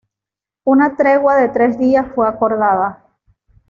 Una tregua de tres días fue acordada.